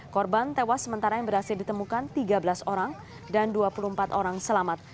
korban tewas sementara yang berhasil ditemukan tiga belas orang dan dua puluh empat orang selamat